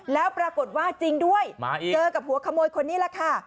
แล้วปรากฏว่าจริงด้วยเจอกับหัวขโมยคนนี้แหละค่ะ